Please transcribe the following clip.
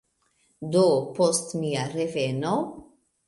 Do, post mia reveno